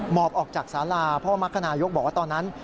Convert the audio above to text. หมอบออกจากศาลาเพราะว่ามักขนายกบอกว่าตอนนั้น